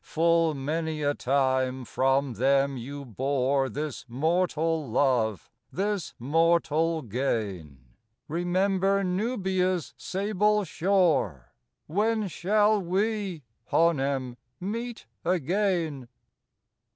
Full many a time from them you bore This mortal love, this mortal gain; Remember Nubia's sable shore— When shall we, Hanem, meet again?